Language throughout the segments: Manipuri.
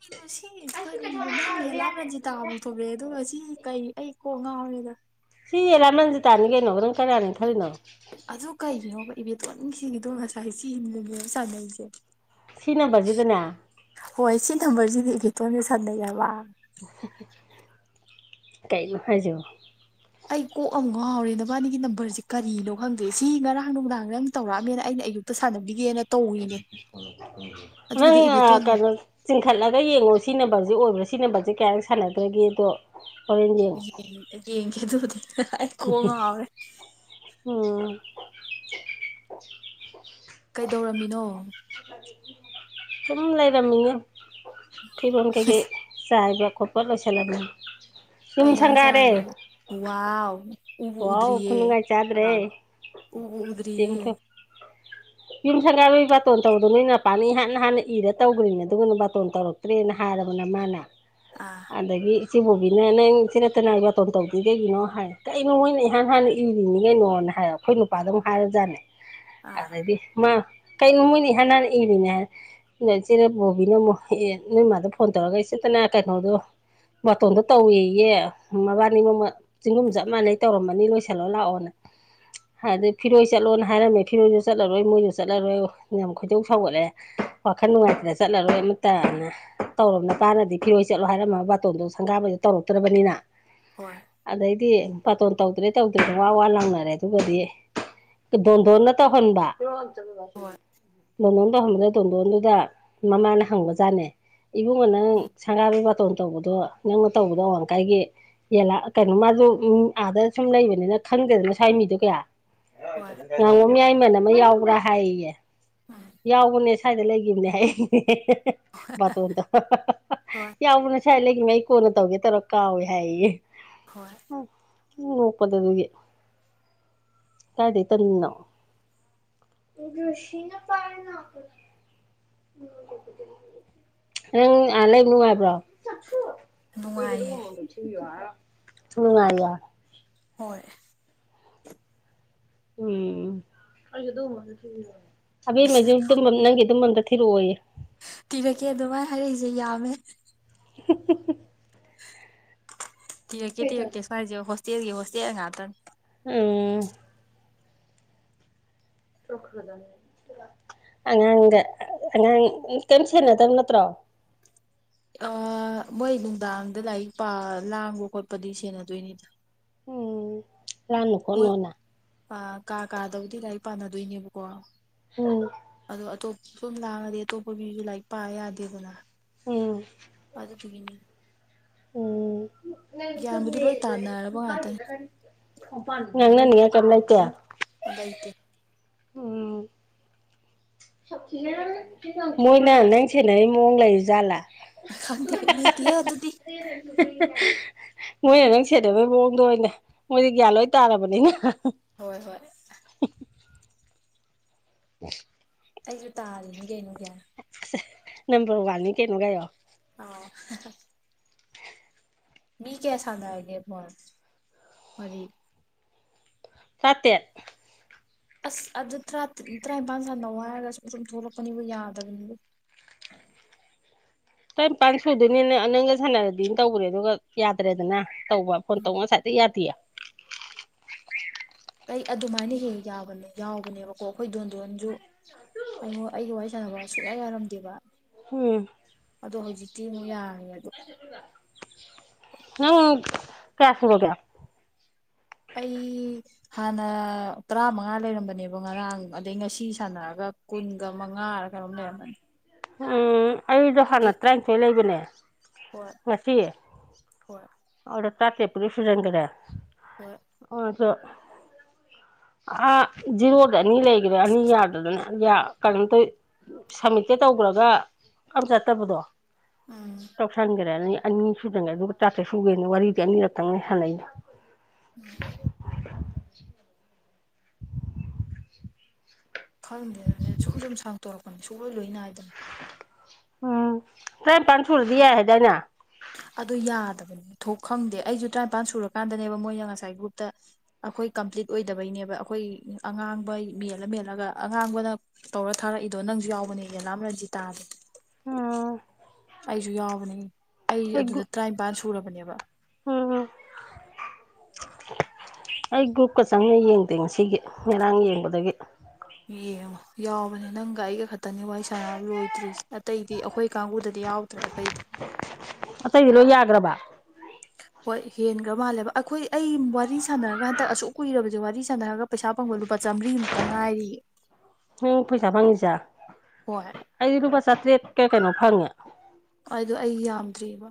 ꯀꯩꯅꯣ ꯁꯤ ꯀꯔꯤꯅꯣ ꯅꯪ ꯌꯦꯂꯥꯝ ꯔꯟꯖꯤꯇꯥ ꯃꯨꯛ ꯊꯣꯛꯂꯛꯑꯦ ꯑꯗꯨꯒ ꯁꯤ ꯀꯩ ꯑꯩ ꯀꯣꯛ ꯉꯥꯎꯔꯦꯗꯥ ꯁꯤ ꯌꯦꯂꯥꯝ ꯔꯥꯟꯖꯤꯇꯥꯅꯤ ꯀꯩꯅꯣ ꯅꯪ ꯀꯥꯅꯥꯅꯤ ꯈꯟꯂꯤꯅꯣ ꯑꯗꯨ ꯀꯩꯒꯤꯅꯣꯕꯥ ꯏꯕꯦꯇꯣꯟ ꯅꯨꯡꯁꯤꯒꯤꯗꯣ ꯉꯁꯥꯏ ꯁꯤ ꯃꯨꯛ ꯃꯨꯛ ꯁꯥꯟꯅꯩꯁꯦ ꯁꯤ ꯅꯝꯕꯔꯁꯤꯗꯅꯦ ꯍꯣꯏ ꯁꯤ ꯅꯝꯕꯔꯁꯤꯗ ꯏꯕꯦꯇꯣꯟꯒꯥ ꯁꯥꯟꯅꯩ ꯍꯥꯏꯕ ꯀꯩꯅꯣ ꯍꯥꯏꯖꯤꯕꯣ ꯑꯩ ꯀꯣꯛ ꯌꯥꯝ ꯉꯥꯎꯔꯦ ꯅꯕꯥꯅꯤꯒꯤ ꯅꯝꯕꯔꯁꯦ ꯀꯔꯤꯅꯣ ꯈꯪꯗꯦ ꯁꯤ ꯉꯔꯥꯡ ꯅꯨꯡꯗꯥꯡ ꯅꯪ ꯇꯧꯔꯛꯑꯝꯃꯦꯅ ꯑꯩꯅ ꯑꯌꯨꯛ ꯁꯥꯟꯅꯕꯤꯒꯦꯅ ꯇꯧꯔꯤꯅꯦ ꯑꯗꯨꯒꯗꯤ ꯏꯕꯦꯇꯣꯟ [unintelligible] ꯆꯤꯡꯈꯠꯂꯒ ꯌꯦꯡꯉꯣ ꯁꯤ ꯅꯝꯕꯔꯁꯦ ꯑꯣꯏꯕ꯭ꯔꯥ ꯁꯤ ꯅꯝꯕꯔꯁꯦ ꯀꯌꯥꯔꯛ ꯁꯥꯟꯅꯒꯔꯥꯒꯦꯗꯣ ꯌꯦꯡꯒꯦ ꯑꯗꯨꯕꯨꯗꯤ ꯀꯣꯛ ꯉꯥꯎꯔꯦ ꯎꯝ ꯀꯩꯗꯧꯔꯝꯃꯤꯅꯣ ꯆꯨꯝ ꯂꯩꯔ ꯃꯤꯦ ꯎꯝ ꯐꯤꯕꯣꯟ ꯀꯩꯀꯩ ꯆꯥꯏꯕ ꯈꯣꯠꯄ ꯂꯣꯏꯁꯤꯜꯂꯕꯅꯤ ꯀꯩꯖꯅꯁꯔ ꯎꯥꯎ ꯋꯥꯎ ꯈꯨꯨꯟꯒꯥꯏ ꯆꯥꯗ꯭ꯔꯦ ꯑꯣ ꯆꯦ ꯎꯗ꯭ꯔꯤꯌꯦ ꯃꯨꯊꯣꯏ ꯌꯨꯝ ꯁꯪꯒꯥꯔꯒꯤ ꯕꯥꯇꯣꯟ ꯇꯧꯗꯣ ꯅꯣꯏ ꯃꯄꯥꯥꯟꯅꯤ ꯏꯍꯥꯟ ꯍꯥꯟꯅ ꯏꯔꯒ ꯇꯧꯈ꯭ꯅꯤꯅꯦ ꯑꯗꯨꯒꯅ ꯕꯥꯇꯣꯟ ꯇꯧꯔ ꯇ꯭ꯔꯦꯟ ꯍꯥꯏꯔꯕꯅ ꯃꯥꯅ ꯑꯥ ꯑꯗꯒꯤ ꯏꯆꯦꯕꯣꯕꯤꯅ ꯅꯪ ꯏ ꯁꯤꯤꯔ ꯇꯅꯥꯒꯤ ꯕꯥꯇꯣꯟ ꯇꯧꯗ꯭ꯔꯤ ꯀꯩꯒꯤꯅꯣ ꯍꯥꯏ ꯀꯩꯅꯣ ꯃꯣꯏꯅ ꯏꯍꯥꯟ ꯍꯥꯟꯅ ꯏꯔꯤꯅꯤ ꯀꯩꯅꯣꯅ ꯍꯥꯏ ꯑꯩꯈꯣꯏ ꯅꯨꯄꯥꯗ ꯑꯃꯨꯛ ꯍꯥꯏꯔꯖꯥꯠꯅꯦ ꯑꯥ ꯑꯗꯗꯤ ꯃꯥ ꯀꯩꯅꯣ ꯃꯣꯏꯗꯤ ꯍꯥꯟ ꯍꯅ ꯏꯔꯤꯅꯦ ꯅ ꯏꯆꯔꯦ ꯕꯣꯕꯤꯅ ꯑꯃꯨꯛ ꯑꯦ ꯅꯣꯏ ꯏꯃꯥꯗꯣ ꯐꯣꯟ ꯇꯧꯔꯒ ꯏꯆꯦꯠꯇꯅ ꯀꯩꯅꯣꯗꯣ ꯃꯇꯣꯟꯗꯣ ꯇꯧꯋꯤꯌꯦ ꯃꯕꯥꯅꯤ ꯃꯃꯜ ꯆꯤꯡꯒꯨꯝ ꯆꯞ ꯃꯥꯟꯅꯩ ꯇꯧꯔꯝꯃꯅꯤ ꯂꯣꯏꯁꯤꯜꯂꯣ ꯂꯥꯛꯑꯣꯅ ꯑꯗꯨꯗꯩ ꯐꯤꯔꯣꯏ ꯆꯠꯂꯣꯅ ꯍꯥꯏꯔꯝꯃꯦ ꯐꯤꯔꯣꯏꯁꯨ ꯆꯠꯂꯔꯣꯏ ꯃꯣꯏꯁꯨ ꯆꯠꯂꯔꯣꯏ ꯌꯥꯝ ꯈꯣꯏꯗꯧ ꯁꯥꯎꯒꯠꯂꯦ ꯋꯥꯈꯜ ꯅꯨꯡꯉꯥꯏꯇ꯭ꯔ ꯆꯠꯂꯔꯣꯏ ꯑꯃ ꯇꯅ ꯇꯧꯔꯕꯅꯄꯥꯥꯟꯅꯗꯤ ꯐꯤꯔꯣꯏ ꯆꯠꯂꯣ ꯍꯥꯏꯔꯝꯃꯕ ꯕꯥꯇꯣꯟꯗꯣ ꯁꯪꯒꯥꯕꯗ ꯇꯧꯔꯛꯇ꯭ꯔꯕꯅꯤꯅ ꯍꯣꯏ ꯑꯗꯩꯗꯤ ꯕꯥꯇꯣꯟ ꯇꯧꯗ꯭ꯔꯦ ꯇꯧꯗ꯭ꯔꯦ ꯋꯥ ꯋꯥ ꯂꯥꯡꯅꯔꯦ ꯑꯗꯨꯒꯗꯤ ꯗꯣꯟꯗꯣꯟꯅ ꯇꯧꯍꯟꯕ ꯍꯣꯏ ꯗꯣꯟꯗꯣꯟ ꯇꯣ ꯍꯕꯗ ꯗꯣꯟꯗꯣꯟꯗꯨꯗ ꯃꯃꯥꯅ ꯍꯪꯕ ꯖꯥꯠꯅꯦ ꯏꯕꯨꯡꯉꯣ ꯅꯪ ꯁꯪꯒꯥꯕꯤꯒꯤ ꯕꯥꯇꯣꯟ ꯇꯧꯕꯗꯣ ꯅꯪꯅ ꯇꯧꯕꯗꯣ ꯑꯥꯋꯥꯡ ꯂꯩꯀꯥꯏꯒꯤ ꯌꯦꯂꯥ ꯀꯩꯅꯣ ꯃꯥꯁꯨꯣ ꯑꯥꯗ ꯁꯨꯝ ꯂꯩꯕꯅꯤꯅ ꯈꯪꯗꯦꯗꯅ ꯁ꯭ꯋꯥꯏ ꯃꯤꯗꯣ ꯀꯌꯥ ꯍꯣꯏ ꯉꯥꯉꯣ ꯃꯌꯥꯏꯃꯟ ꯑꯃ ꯌꯥꯎꯕ꯭ꯔꯥ ꯍꯥꯏꯌꯦꯌꯦ ꯌꯥꯎꯕꯅꯦ ꯁ꯭ꯋꯥꯏꯗ ꯂꯩꯈꯤꯕꯅꯦ ꯍꯥꯏꯅꯦ ꯕꯥꯇꯣꯟꯗꯣ ꯍꯣꯏ ꯌꯥꯎꯕ ꯅ ꯁꯥꯏ ꯂꯩꯈꯤꯕꯃ ꯑꯩ ꯀꯣꯟꯅ ꯇꯧꯒꯦ ꯇꯧꯔ ꯀꯥꯎꯏꯦ ꯍꯥꯏꯌꯦ ꯍꯣꯏ ꯎꯝ ꯅꯣꯛꯄꯗ ꯑꯗꯨꯒꯤ ꯀꯥꯏꯗꯒꯤꯩ ꯇꯔꯤꯅꯣ ꯁꯤꯅ ꯄꯥꯔꯅ ꯅꯪ ꯑ ꯂꯩꯕ ꯅꯨꯡꯉꯥꯏꯌꯦ ꯅꯨꯡꯉꯥꯏꯕ꯭ꯔꯣ ꯃꯅꯨꯡꯉ ꯍꯣꯏ ꯎꯝ ꯍꯥꯕꯦꯝꯉꯩꯁꯨ ꯅꯪꯒꯤ ꯑꯗꯨꯃꯗ ꯊꯤꯔꯛꯑꯣꯏꯌꯦ ꯇꯤꯔꯛꯀꯦ ꯑꯗꯨꯃꯥꯏꯅ ꯍꯥꯏꯔꯛꯏꯁꯦ ꯌꯥꯝꯃꯦ ꯎ [unintelligible] ꯊꯤꯔꯛꯀꯦꯤꯔꯛꯀꯦ꯭ꯋꯥꯏꯁꯦ ꯍꯣꯁꯇꯦꯜꯒꯤ ꯍꯣꯁꯇꯦꯜ ꯉꯥꯛꯇꯪ ꯑꯣꯝ ꯑꯉꯥꯡꯒ ꯑꯉꯥꯡ ꯀꯩꯝ ꯁꯦꯟꯅꯗꯕ ꯅꯠꯇ꯭ꯔꯣ ꯑ ꯃꯣꯏ ꯅꯨꯡꯗꯥꯡꯗ ꯂꯥꯏꯔꯤꯛꯥ ꯂꯥꯡꯕ ꯈꯣꯠꯄꯗꯤ ꯁꯦꯟꯅꯗꯣꯏꯅꯤꯗ ꯂꯥꯟ ꯅꯨꯈꯣꯅꯣꯅ ꯑ ꯀꯥ ꯀꯥꯗꯕꯨꯗꯤ ꯂꯥꯏꯔꯤꯛ ꯄꯥꯅꯗꯣꯏꯅꯦꯕꯀꯣ ꯎꯝ ꯑꯗꯣ ꯑꯇꯣꯞꯄꯁꯨ ꯁꯨꯝ ꯂꯥꯡꯉꯗꯤ ꯑꯇꯣꯞꯄꯒꯤꯁꯨ ꯂꯥꯏꯔꯤꯛ ꯄꯥ ꯌꯥꯗꯦꯗꯅ ꯎꯝ ꯊꯅꯤ ꯎꯝ ꯅ ꯒ꯭ꯌꯥꯟꯕꯨꯗꯤ ꯂꯣꯏ ꯇꯥꯟꯅꯔꯕ ꯈꯨꯅꯄꯒꯤ ꯉꯥꯛꯇꯅꯤ ꯅꯪ ꯅꯅꯤꯉ ꯀꯃꯂꯥꯏꯇꯌꯥ ꯑꯗꯥꯏꯇ ꯃꯣꯏꯅ ꯅꯪ ꯁꯦꯟꯅꯔꯤ ꯃꯑꯣꯡ ꯂꯩꯔꯤ ꯖꯥꯠꯂꯥ ꯈꯪꯗꯦ ꯂꯩꯇꯦ ꯑꯗꯨꯗꯤ꯫ [unintelligible] ꯃꯣꯏꯅ ꯅꯪ ꯁꯦꯠꯅꯕꯩ ꯃꯑꯣꯡꯗꯣ ꯑꯣꯏꯅ ꯃꯣꯏꯗꯤ ꯒ꯭ꯌꯥꯟ ꯂꯣꯏ ꯇꯥꯔꯕꯅꯤꯅ꯫ ꯍꯣꯏ ꯍꯣꯏ꯫ [unintelligible] ꯑꯩꯁꯨ ꯇꯥꯔꯤꯅꯤ ꯀꯩꯅꯣ ꯒꯌꯥꯟ꯫ ꯅꯝꯕꯝꯕꯔ ꯋꯥꯟꯅꯤ ꯀꯩꯅꯣ ꯀꯥꯏꯑꯣ꯫ ꯑꯥ ꯍꯥ ꯍꯥ ꯫ ꯃꯤ ꯀꯌꯥ ꯁꯥꯟꯅꯔꯒꯦ [unintelligible] ꯃꯔꯤ꯫ ꯇꯥꯇꯦꯠ꯫ ꯑꯁ ꯑꯗꯨ ꯇꯔꯥ ꯇꯔꯥꯅꯤꯄꯥꯜ ꯁꯥꯟꯅꯧ ꯍꯥꯏꯔꯒ ꯁꯨꯝ ꯁꯨꯝ ꯊꯣꯛꯂꯛꯄꯅꯤꯕꯨ ꯌꯥꯗꯕꯅꯤꯕꯨ꯫ [inaudible] ꯄꯥꯟ ꯁꯣꯏꯗꯨꯅꯤꯅ ꯅꯪꯒ ꯁꯥꯟꯅꯔꯗꯤꯅ ꯇꯧꯕꯔꯦ ꯑꯗꯨꯒ꯫ ꯌꯥꯗ꯭ꯔꯦꯗꯅ ꯇꯧꯕ ꯐꯣꯟ ꯇꯧꯕ ꯉꯁꯥꯏꯗꯩ ꯌꯥꯗꯦꯌꯦ꯫ ꯑꯩ ꯑꯗꯨꯃꯥꯏꯅ ꯍꯦꯛ ꯌꯥꯕꯅꯦ ꯌꯥꯎꯕꯅꯦꯕꯀꯣ ꯑꯩꯈꯣꯏ ꯗꯣꯟ ꯗꯣꯟꯁꯨ꯫ ꯑꯩꯉꯣꯟ ꯑꯩꯒ ꯋꯥꯔꯤ ꯁꯥꯟꯅꯕ ꯁꯨꯛꯌꯥ ꯌꯥꯔꯝꯗꯦꯕ꯫ ꯍꯝ ꯑꯗꯣ ꯍꯧꯖꯤꯛꯇꯤ ꯑꯃꯨꯛ ꯌꯥꯔꯦ ꯑꯗꯣ꯫ ꯅꯪ ꯀꯌꯥ ꯁꯨꯔꯒꯦ? ꯑꯩ ꯍꯥꯟꯅ ꯇꯔꯥꯃꯉꯥ ꯂꯩꯔꯝꯕꯅꯦꯕ ꯉꯔꯥꯡ ꯑꯗꯩ ꯉꯁꯤ ꯁꯥꯟꯅꯔꯒ ꯀꯨꯟꯒ ꯃꯉꯥꯔ ꯀꯩꯅꯣꯝ ꯂꯩꯔꯝꯃꯅꯤ꯫ ꯑꯩꯁꯨ ꯍꯥꯟꯅ ꯇꯔꯥꯅꯤꯊꯣꯏ ꯂꯩꯕꯅꯦ ꯍꯣꯏ ꯉꯁꯤ ꯍꯣꯏ ꯑꯗꯨꯗ ꯇꯔꯥꯇꯔꯦꯠ ꯄꯨꯗꯤ ꯁꯨꯖꯟꯈꯔꯦ꯫ [unintelligible] [unintelligible] ꯑꯥ ꯖꯤꯔꯣꯗ ꯑꯅꯤ ꯂꯩꯈ꯭ꯔꯦ ꯑꯅꯤ ꯌꯥꯗꯗꯅ ꯌꯥ [inaudible] ꯁꯃꯤꯠꯇꯤ ꯇꯧꯈ꯭ꯔꯒ ꯑꯝꯇ ꯆꯠꯇꯕꯗꯣ ꯎꯝ ꯇꯧꯁꯟꯈ꯭ꯔꯦꯅꯤ꯫ ꯑꯅꯤ ꯁꯨꯗꯅꯉꯩ ꯑꯗꯨꯒ ꯆꯥꯇ꯭ꯔꯦ ꯁꯨꯒꯦꯅ ꯋꯥꯔꯤꯗꯤ ꯑꯅꯤꯔꯛꯇꯪꯅꯦ ꯁꯥꯟꯅꯩꯩꯗꯣ꯫ [unintelligible] ꯈꯪꯗꯦ ꯁꯨꯝ ꯁꯨꯝ ꯁꯥꯡꯇꯣꯔꯛꯄꯅꯤ ꯁꯨꯡꯛꯂꯣꯏ ꯂꯣꯏ ꯅꯥꯏꯗꯕꯅꯤ꯫ ꯑꯥ ꯇꯔꯥꯅꯤꯄꯥꯟ ꯁꯨꯔꯗꯤ ꯌꯥꯏ ꯍꯥꯏꯗꯥꯏꯅꯦ? ꯑꯗꯨ ꯌꯥꯗꯕꯅꯦ ꯊꯣꯛ ꯈꯪꯗꯦ ꯑꯩꯁꯨ ꯇꯔꯥꯅꯤꯄꯥꯟ ꯁꯨꯔꯀꯥꯟꯗꯅꯦꯕ ꯃꯣꯏꯅ ꯉꯁꯥꯏ ꯒ꯭ꯔꯨꯞꯇ ꯑꯩꯈꯣꯏ ꯀꯝꯄ꯭ꯂꯤꯠ ꯑꯣꯏꯗꯕꯩꯅꯦꯕ ꯑꯩꯈꯣꯏ ꯑꯉꯥꯡꯕ ꯃꯦꯜꯂ ꯃꯦꯜꯂꯒ ꯑꯉꯥꯡꯕꯅ ꯇꯧꯔ ꯊꯥꯔꯛꯏꯗꯣ ꯅꯪꯁꯨ ꯌꯥꯎꯕꯅꯦ ꯌꯦꯂꯥꯝ ꯔꯖꯤꯇꯥ ꯑꯩꯁꯨ ꯌꯥꯎꯕꯅꯦ ꯑꯩ ꯑꯗꯨꯗ ꯇꯔꯥꯅꯤꯄꯥꯟ ꯁꯨꯔꯕꯅꯦꯕ ꯎꯝ [unintelligible] ꯑꯩ ꯒ꯭ꯔꯨꯞꯀ ꯆꯪꯌꯦꯡ ꯌꯦꯡꯗꯦ ꯉꯁꯤꯒꯤ ꯉꯔꯥꯡ ꯌꯦꯡꯕꯗꯒꯤ꯫ ꯌꯦꯡꯉꯣ ꯌꯥꯎꯕꯅꯦ ꯅꯪꯒ ꯑꯩꯒ ꯈꯛꯇꯪꯅꯦ ꯋꯥꯔꯤ ꯁꯥꯟꯅꯕ ꯂꯣꯏꯗ꯭ꯔꯤꯁꯦ ꯑꯇꯩꯗꯤ ꯑꯩꯈꯣꯏ ꯀꯥꯡꯕꯨꯗꯗꯤ ꯌꯥꯎ [unintelligible] ꯑꯇꯩꯗꯤ ꯂꯣꯏ ꯌꯥꯈ꯭ꯔꯕ? ꯍꯣꯏ ꯍꯦꯟꯈ꯭ꯔꯕ ꯃꯥꯜꯂꯦꯕ ꯑꯩꯈꯣꯏ ꯑꯩ ꯋꯥꯔꯤ ꯁꯥꯟꯅꯔꯒ ꯍꯟꯇꯛ ꯑꯁꯨꯛ ꯀꯨꯏꯔꯕꯁꯦ ꯋꯥꯔꯤ ꯁꯥꯟꯅꯔꯒ ꯄꯩꯁꯥ ꯐꯪꯕ ꯂꯨꯄꯥ ꯆꯥꯝꯃꯔꯤꯃꯨꯛꯇꯪ ꯉꯥꯏꯔꯤꯌꯦ꯫ ꯅꯪ ꯄꯩꯁꯥ ꯐꯪꯉꯤꯁꯦ ꯍꯣꯏ ꯑꯩꯗꯤ ꯂꯨꯄꯥ ꯆꯥꯇ꯭ꯔꯦꯠꯀ ꯀꯩꯅꯣ ꯐꯪꯉꯦ꯫ ꯑꯗꯨꯗꯣ ꯑꯩ ꯌꯥꯝꯗ꯭ꯔꯤꯕ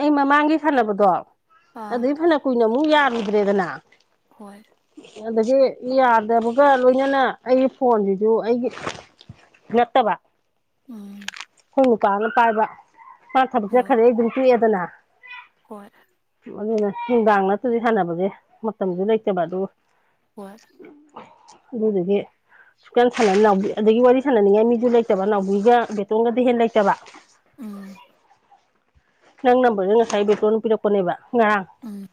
ꯑꯩ ꯃꯃꯥꯡꯒꯤ ꯁꯥꯟꯅꯕꯗꯣ ꯑꯥ ꯑꯗꯨꯏ ꯐꯅ ꯀꯨꯏꯅ ꯑꯃꯨꯛ ꯌꯥꯔꯨꯗ꯭ꯔꯦꯗꯅ ꯍꯣꯏ ꯑꯗꯒꯤ ꯌꯥꯗꯕꯒ ꯂꯣꯏꯅꯅ ꯑꯩꯒꯤ ꯐꯣꯟꯁꯤꯁꯨ ꯑꯩꯒꯤ ꯅꯠꯇꯕ ꯎꯝ ꯑꯩꯈꯣꯏ ꯅꯨꯄꯥꯅ ꯄꯥꯏꯕ ꯃꯥꯅ ꯊꯕꯛ ꯍꯣꯏ ꯆꯠꯈꯔꯦ ꯑꯩ ꯑꯗꯨꯝ ꯇꯣꯛꯑꯦꯗꯅ꯫ ꯍꯣꯏ ꯑꯗꯨꯅ ꯅꯨꯡꯗꯥꯡ ꯅꯠꯇ꯭ꯔꯗꯤ ꯁꯥꯟꯅꯕꯒꯤ ꯃꯇꯝꯁꯨ ꯂꯩꯇꯕ ꯑꯗꯨ ꯍꯣꯏ ꯑꯗꯨꯗꯨꯗꯒꯤ ꯁꯨꯀ ꯁꯥꯟꯅ ꯅꯥꯎ ꯑꯗꯒꯤ ꯋꯥꯔꯤ ꯁꯥꯟꯅꯅꯤꯡꯉꯥꯏ ꯃꯤꯗꯨ ꯂꯩꯇꯕ ꯅꯥꯎꯕꯤꯒ ꯕꯦꯇꯣꯡꯒꯗꯤ ꯍꯦ ꯂꯩꯇꯕ ꯎꯝ ꯅꯪ ꯅꯝꯕꯔꯁꯦ ꯉꯁꯥꯏ ꯕꯦꯇꯣꯅ ꯄꯤꯔꯛꯄꯅꯦꯕ ꯉꯔꯥꯡ ꯎꯝ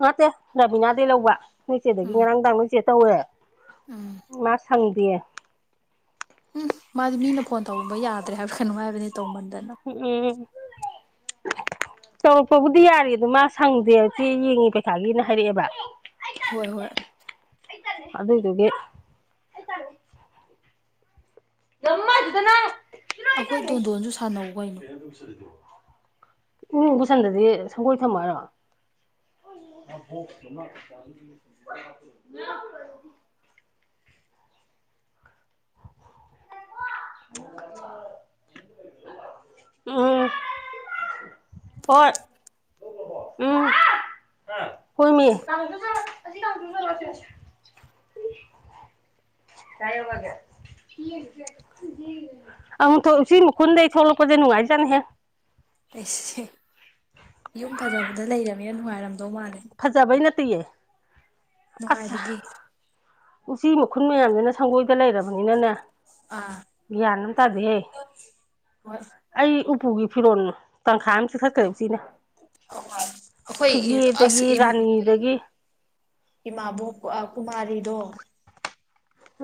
ꯉꯇꯦ ꯔꯕꯤꯅꯥꯗꯒꯤꯩ ꯂꯧꯕ ꯅꯣꯏꯆꯦꯗꯒꯤ ꯎꯝ ꯉꯔꯥꯡꯗꯥ ꯅꯣꯏꯆꯦ ꯇꯧꯋꯦ ꯎꯝ ꯃꯥ ꯁꯥꯟꯗꯦ ꯎꯝ ꯃꯥꯗꯤ ꯃꯤꯅ ꯐꯣꯟ ꯇꯧꯕ ꯌꯥꯗ꯭ꯔꯦ ꯍꯥꯏꯕ ꯀꯩꯅꯣ ꯍꯥꯏꯕꯅꯤ ꯇꯧꯃꯟꯗꯅ ꯎꯝ ꯆꯥꯎꯧꯔꯛꯄꯕꯨꯗꯤ ꯌꯥꯔꯤ ꯑꯗ ꯃꯥ ꯁꯪꯗꯦꯆ ꯌꯦꯡꯉꯦ ꯄꯩꯈꯥꯒꯤꯅ ꯍꯥꯏꯔꯛꯑꯦꯕ ꯍꯣꯏ ꯍꯣꯏ ꯑꯗ ꯏꯗꯤ ꯃ ꯑꯗꯨꯗꯅ ꯑꯩꯈꯣꯏ ꯗꯣꯟꯗꯣꯟꯁꯨ ꯁꯥꯟꯅꯧ ꯀꯩꯅꯣ [inaudible] ꯎꯝ ꯕꯨꯨꯁꯟꯗꯗꯤ ꯁꯪꯒꯣꯏ ꯊꯝꯃꯔꯣ [inaudible] [inaudible] ꯎꯝ ꯍꫭꯏ ꯎꯝ ꯍꯣꯏꯃꯤ [inaudible] ꯀꯥꯏꯗꯥꯏ ꯌꯩꯔꯒꯦ ꯎ ꯑꯃꯨꯛ ꯊꯣꯛꯁꯤ ꯃꯈꯨꯟꯗꯩ ꯊꯣꯛꯂꯛꯄꯁꯦ ꯅꯨꯡꯉꯥꯏꯖꯠꯅꯤꯍꯦꯛ ꯑꯩꯁꯁꯦ ꯌꯨꯝ ꯐꯖꯕꯗ ꯂꯩꯔꯕꯅꯤꯅ ꯅꯨꯡꯉꯥꯏꯔꯝꯗꯧ ꯃꯥꯜꯂꯦ ꯐꯖꯕꯩ ꯅꯠꯇꯌꯦ ꯑꯁ ꯅꯨꯡꯉꯥꯏꯕꯒꯤ ꯎꯆꯤ ꯃꯈꯨꯟ ꯃꯌꯥꯝꯁꯤꯅ ꯁꯪꯒꯣꯏꯗ ꯂꯩꯔꯕꯅꯤꯅꯅꯦ ꯑꯥ ꯕꯤꯌꯥꯅꯝ ꯇꯥꯗꯦ ꯍꯣꯏ ꯑꯩ ꯎꯄꯨꯒꯤ ꯐꯤꯔꯣꯜꯅꯣ ꯇꯪꯈꯥꯏ ꯑꯃ ꯆꯤꯛꯊꯠꯈ꯭ꯔꯦ ꯎꯆꯤꯅ ꯍꯣꯏ ꯑꯁ ꯏ ꯃꯤꯗꯒꯤ ꯏꯃꯥꯕꯣꯛ ꯀꯨꯃꯥꯔꯤꯗꯣ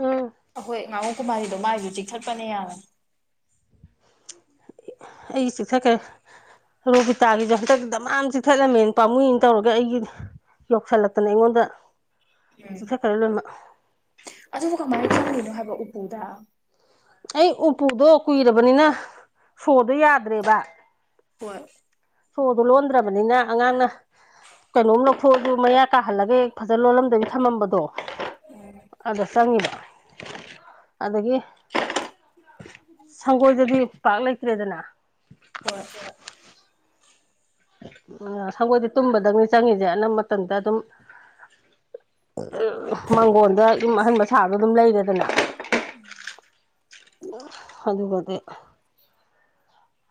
ꯑꯥ ꯑꯩꯈꯣꯏ ꯃꯕꫭꯛ ꯀꯨꯃꯥꯔꯤꯗꯣ ꯃꯥꯒꯤꯁꯨ ꯆꯤꯛꯊꯠꯄꯅꯦ ꯌꯥꯝꯅ ꯑꯩ ꯆꯤꯛꯊꯠꯈꯔ‌ꯦ ꯔꯣꯕꯤꯇꯥꯒꯤꯁꯨ ꯍꯟꯗꯛ ꯗꯃꯥꯃ ꯆꯤꯊꯠꯂꯝꯃꯦꯅ ꯄꯥꯝꯃꯨꯏꯅ ꯇꯧꯔꯒꯦ ꯑꯩꯒꯤꯅ ꯌꯧꯁꯤꯜꯂꯛꯇꯅ ꯑꯩꯉꯣꯟꯗ ꯎꯝ ꯆꯤꯛꯊꯠꯈ꯭ꯔꯦ ꯂꯣꯏꯅꯃꯛ ꯑꯗꯨꯕꯨ ꯀꯃꯥꯏꯅ ꯆꯪꯉꯤꯅꯣ ꯍꯥꯏꯕ ꯎꯄꯨꯗ ꯑꯩ ꯎꯄꯨꯗꯣ ꯀꯨꯏꯔꯕꯅꯤꯅ ꯁꯣꯗꯣ ꯌꯥꯗ꯭ꯔꯦꯕ ꯍꯣꯏ ꯁꯣꯗꯣ ꯂꯣꯟꯗ꯭ꯔꯕꯅꯤꯅ ꯑꯉꯥꯡꯅ ꯀꯩꯅꯣꯝ ꯂꯧꯊꯣꯛꯑꯖꯨ ꯃꯌꯥ ꯀꯥꯍꯜꯂꯒ ꯍ‌ꯦꯛ ꯐꯖꯅ ꯂꯣꯜꯂꯝꯗꯕꯤ ꯊꯝꯃꯝꯕꯗꯣ ꯑꯗ ꯆꯪꯉꯤꯕ ꯑꯗꯒꯤ ꯁꯪꯒꯣꯏꯗꯗꯤ ꯄꯥꯛ ꯂꯩꯇ꯭ꯔꯦꯗꯅ ꯍꯣꯏ ꯑꯥ ꯁꯪꯒꯣꯏꯗꯤ ꯇꯨꯝꯕꯗꯪꯅꯤ ꯆꯪꯉꯁꯦ ꯑꯅꯝꯕ ꯃꯇꯝꯗ ꯑꯗꯨꯝ ꯃꯥꯡꯒꯣꯟꯗ ꯌꯨꯝ ꯑꯍꯟꯕ ꯁꯥꯗꯣ ꯑꯗꯨꯝ ꯂꯩꯔꯦꯗꯅ ꯎꯝ ꯑꯣ [unintelligible] ꯑꯗꯨꯒꯗꯤ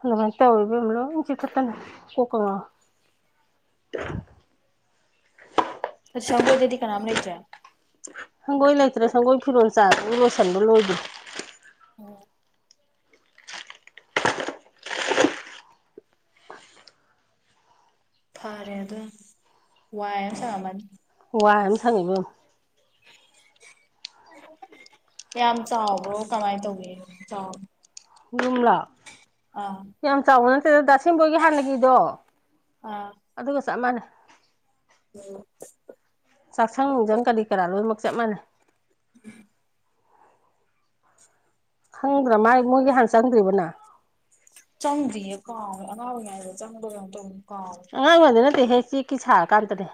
ꯑꯗꯨꯃꯥꯏꯅ ꯇꯧꯋ‌ꯦ ꯏꯕ‌ꯦꯝꯃ ꯂꫭꯏꯅꯥ ꯆꯤꯛꯊꯠꯇꯅ ꯀꯣꯛꯀꯣ ꯉꯥꯎꯋꯤ [inaudible] ꯑ ꯁꯪꯒꯣꯏꯗꯗꯤ ꯀꯅꯥꯝ ꯂꯩꯇ꯭ꯔꯦ ꯁꯪꯒꯣꯏ ꯂꯩꯇ꯭ꯔꯦ ꯁꯪꯒꯣꯏ ꯐꯤꯔꯣꯜ ꯆꯥꯗ [unintelligible] ꯂꯣꯏꯁꯟꯕ ꯂꯣꯏꯗ꯭ꯔꯦ ꯎꯝ ꯐꯔꯦ ꯑꯗꯨ ꯋꯥꯏ ꯑꯝ ꯁꯪꯉꯝꯃꯅꯤ ꯍꯍꯋꯥꯏ ꯑꯃ ꯁꯪꯉ‌ꯦ ꯏꯕ‌ꯦꯝꯃꯥ ꯌꯥꯝ ꯆꯥꯎꯕ꯭ꯔꯣ ꯀꯃꯥꯏꯅ ꯇꯧꯋꯦ ꯆꯥꯎ ꯌꯨꯝꯂꯥ ꯑꯥ ꯌꯥꯝ ꯆꯥꯎꯕ ꯅꯠꯇꯦꯗ ꯗꯊ‌ꯦꯝꯕꯣꯏꯒꯤ ꯍꯥꯟꯅꯒꯤꯗꯣ ꯑꯥ ꯑꯗꯨꯒ ꯆꯞ ꯃꯥꯟꯅꯩ ꯎꯝ ꯆꯥꯛꯁꯪ ꯅꯨꯡꯖꯪ ꯀꯔꯤ ꯀꯔꯥ ꯂꯣꯏꯅꯃꯛ ꯆꯞ ꯃꯅꯩ ꯎꯝ [unintelligible] ꯈꯪꯗ꯭ꯔꯥ ꯃꯥꯏ ꯃꯣꯏꯒꯤ ꯍꯥꯟꯅ ꯆꯪꯗ꯭ꯔꯤꯕꫭ ꯅꯪ ꯆꯪꯗ꯭ꯔꯤꯌꯦ ꯀꯥꯎꯒꯔ‌ꯦ ꯑꯉꯥꯡ ꯑꫭꯏꯔꯤꯉꯩꯗ ꯆꯪꯚꯔꯥ ꯀꯩꯅꫭꯝ ꯇꯧꯕꯅꯤ ꯀꯥꯎꯒꯔ‌ꯦ ꯑꯉꯥꯡ ꯑꫭꯏꯔꯤꯉꯩꯗ ꯅꯠꯇꯦ ꯍꯦ ꯆꯦꯛꯀꯤ ꯁꯥꯔꯀꯥꯟꯗꯅ‌ꯦ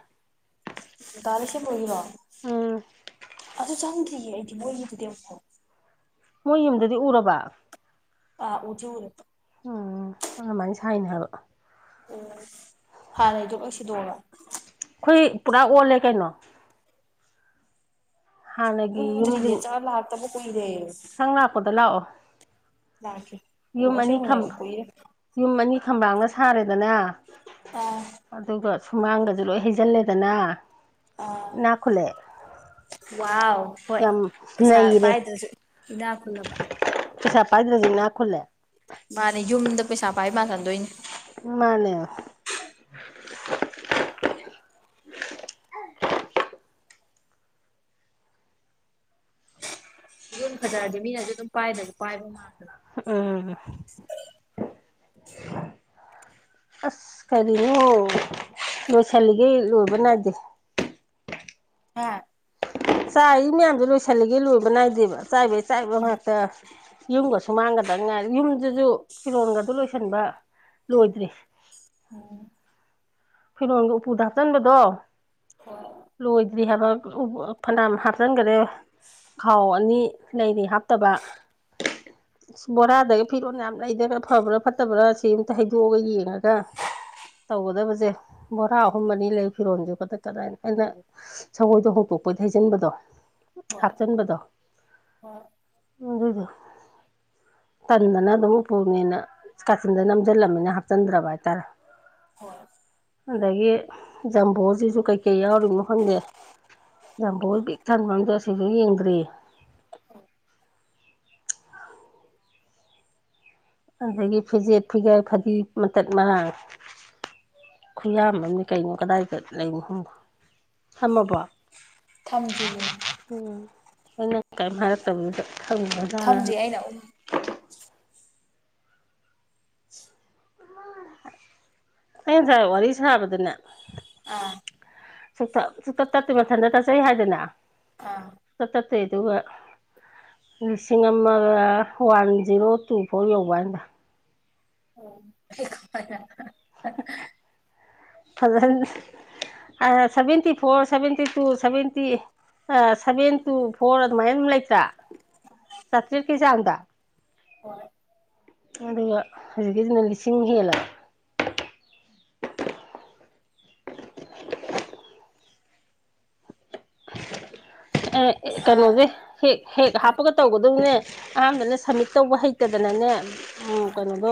ꯗꯥ ꯂꯩꯁ‌ꯦꯝꯕ ꯍꫭꯏꯒꯤꯗꫭ ꯎꯝ ꯑꯗꯨ ꯆꯪꯗ꯭ꯔꯤꯌꯦ ꯑꯩꯗꯤ ꯃꯣꯏꯒꯤ ꯗꯨꯗꯤ ꯑꯃꯨꯛ ꯐꯥꯎ ꯃꯣꯏ ꯌꯨꯝꯗꯨꯗꯤ ꯎꯔꯕ ꯑ ꯎꯗꯤꯎꯔ‌ꯦ ꯎꯝ ꯑꯗꯨꯃꯥꯏꯅ ꯁꯥꯏꯅ ꯍꯥꯏꯕ ꯑꯣ ꯍꯥꯟꯅꯗꫭ ꯂꫭꯏ ꯁꯤꯗꯣꯛꯑꯒ ꯑꯩꯈꯣꯏ ꯄꯨꯔꯥ ꯑꯣꯜꯂꯦ ꯀꯩꯅꯣ ꯍꯥꯟꯅꯒꯤ ꯎꯗꯔꯤꯌꯦ ꯆꯥ ꯂꯥꯛꯇꯕ ꯀꯨꯏꯔꯦ ꯃꯊꯪ ꯂꯥꯛꯄꯗ ꯂꯥꯛꯑꯣ ꯂꯥꯛꯀ‌ꯦ ꯌꯨꯝ ꯑꯅꯤ ꯈꯝ ꯑꯅꯤ ꯈꯝꯕꯥꯡꯅ ꯁꯥꯔꯦꯗꯅ ꯑꯥ ꯑꯗꯨꯒ ꯁꯨꯃꯥꯡꯒꯁ‌ꯦ ꯂꯣꯏ ꯍꯩꯖꯤꯜꯂꯦꯗꯅ ꯏꯅꯥꯛ ꯈꯨꯜꯂꯦ ꯋꯥ ꯍꯣꯏ ꯌꯥꯝ ꯄꯩꯁꯥ ꯅꯩꯔꯦ ꯄꯥꯏꯗ꯭ꯔꯁꯨ ꯏꯅꯥ ꯈꯨꯨꯜꯂꯕ ꯄꯩꯁꯥ ꯄꯥꯏꯗ꯭ꯔꯁꯨ ꯏꯅ ꯈꯨꯜꯂꯦ ꯃꯥꯅꯤ ꯌꯨꯝꯗ ꯄꯩꯁꯥ ꯄꯥꯏ ꯃꯥꯜꯟꯗꯣꯏꯅꯦ ꯃꯥꯅꯦ ꯌꯨꯝ ꯐꯖꯔꯗꯤ ꯃꯤꯅꯁꯨ ꯑꯗꯨꯝ ꯄꯥꯏꯗꯕ ꯄꯥꯏꯕ ꯃꯜꯗ꯭ꯔꯣ ꯑꯅꯦ [unintelligible] ꯑꯁ ꯀꯔꯤꯅꯣ ꯂꯣꯏꯁꯤꯜꯂꯤꯒꯦ ꯂꯣꯏꯕ ꯅꯥꯏꯗꯦ ꯍꯥꯥ ꯆꯥꯏ ꯃꯌꯥꯝꯗꯨꯣ ꯂꯣꯏꯁꯤꯜꯂꯤꯒꯦ ꯂꯣꯏꯕ ꯅꯥꯏꯗꯦꯕ ꯆꯥꯏꯕꯩ ꯆꯥꯏꯕ ꯉꯥꯛꯇ ꯌꯨꯝꯒꯁꯨ ꯃꯥꯡꯒꯗ ꯉꯥꯏ ꯌꯨꯝꯗꯨꯁꯨ ꯐꯤꯔꯣꯟꯒꯗꯨ ꯂꯣꯏꯁꯤꯟꯕ ꯂꯣꯏꯗ꯭ꯔꯤ ꯎꯝ ꯐꯤꯔꯣꯟꯒ ꯎꯄꯨꯗ ꯍꯥꯞꯆꯤꯟꯕꯗꯣ ꯍꯣꯏ ꯂꯣꯏꯗ꯭ꯔꯤ ꯍꯥꯏꯕ ꯐꯅꯌꯥꯝ ꯍꯥꯞꯆꯟꯒꯅꯦ ꯦ ꯊꯥꯎ ꯑꯅꯤ ꯂꯩꯔꯤ ꯍꯥꯞꯇꯕ ꯕꯣꯔꯥꯗꯒꯤ ꯐꯤꯔꯣꯜ ꯌꯥꯝ ꯂꯩꯗ꯭ꯔꯒ ꯐꯕ꯭ꯔꯥ ꯐꯠꯇꯕ꯭ꯔꯥ ꯁꯤ ꯑꯃꯇ ꯍꯥꯏꯩꯗꯣꯛꯑꯒ ꯌꯦꯡꯉꯦ ꯈꯒ ꯇꯧꯒꯗꯕꯁꯦ ꯕꯣꯔꯥ ꯑꯍꯨꯝ ꯑꯅꯤ ꯂꯩ ꯐꯤꯔꯣꯟꯁꯨ [unintelligible] [unintelligible] ꯍꯣꯡꯇꯣꯛꯄꯩ ꯍꯩꯖꯤꯟꯕꯗꯣ ꯍꯣꯏ ꯍꯥꯞꯆꯤꯟꯕꯗꯣ ꯍꯣꯏ ꯑꯗꯨꯗꯣ ꯇꯟꯗꯅ ꯑꯗꯨꯝ ꯎꯞꯄꯨꯅꯦꯅ ꯀꯥꯆꯤꯟꯗ ꯅꯝꯁꯤꯜꯂꯝꯃꯤꯅ ꯍꯥꯞꯆꯤꯟꯗ꯭ꯔꯕ ꯍꯥꯏꯇꯥꯔꯦ ꯍꯣꯏ ꯑꯗꯒꯤ ꯖꯝꯕꯣꯖꯤ ꯀꯩꯀꯩ ꯌꯥꯎꯔꯤꯅꯣ ꯈꯪꯗꯦ ꯖꯝꯕꯣ ꯄꯤꯛ ꯊꯟꯕ ꯑꯝꯗꯣ ꯁꯤꯁꯨ ꯌꯦꯡꯗ꯭ꯔꯤ [unintelligible] ꯑꯗꯨꯗꯒꯤ ꯐꯤꯖꯦꯠ ꯐꯤꯒꯥꯏ ꯐꯗꯤ ꯃꯇꯠ ꯃꯥꯡ ꯈꯨꯌꯥꯝ ꯑꯃꯅꯤ ꯀꯩꯅꯣ ꯀꯗꯥꯏ ꯂꯩꯅꯣ [unintelligible] ꯊꯝꯃꯕꯣ ꯊꯝꯖꯤꯌꯦ ꯎꯝ ꯅꯪꯅꯥ ꯀꯔꯤꯝ ꯍꯥꯏꯔꯛꯇꯕꯗꯨꯗꯥ ꯍꯪꯅꯤ ꯊꯝꯗꯔꯤ ꯑꯩꯅ [unintelligible] ꯀꯩꯅ ꯉꯁꯥꯏ ꯋꯥꯔꯤ ꯁꯥꯕꯗꯅꯦ ꯑꯥ ꯁꯨꯛꯇꯞ ꯁꯨꯡꯊꯞ ꯇꯠꯇꯦ ꯃꯊꯟꯇ ꯇꯠꯆꯩ ꯍꯥꯏꯗꯅ ꯑꯥ ꯁꯨꯡꯇꯞ ꯇꯞꯇꯦ ꯑꯗꯨꯒꯥ ꯂꯤꯁꯤꯡ ꯑꯃꯒ ꯋꯥꯟ ꯖꯤꯔꯣ ꯇꯨ ꯐꯣꯔ ꯌꯧꯕ ꯃꯥꯜꯂꯦ [unintelligible] ꯐꯖꯅ seventy four seventy two seventy seventy four ꯑꯗꯨꯃꯥꯏꯅ ꯑꯗꯨꯝ ꯂꯩꯇ꯭ꯔꯥ ꯆꯥꯇ꯭ꯔꯦꯠꯀꯤ ꯆꯥꯡꯗ ꯍꯣꯏ ꯑꯗꯨꯒ ꯍꯧꯖꯤꯛꯀꯤꯁꯤꯅ ꯂꯤꯁꯤꯡ ꯍꯦꯜꯂ ꯑ ꯑꯥ ꯀꯩꯅꯣꯒꯤ ꯍꯦꯛ ꯍꯦꯛ ꯍꯥꯞꯄꯒ ꯇꯧꯕꯗꯨꯅꯦ ꯑꯍꯥꯟꯕꯅꯦ ꯁꯝꯃꯤꯠ ꯇꯧꯕ ꯍꯩꯇꯗꯅꯅꯦ ꯎꯝ ꯀꯩꯅꯣꯗꯣ